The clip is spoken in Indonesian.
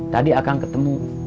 tadi akang ketemu